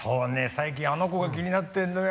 最近あの子が気になってんのよ。